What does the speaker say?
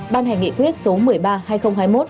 ban hành nghị quyết số một mươi ba hai nghìn hai mươi một